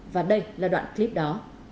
và đây là đoạn clip đó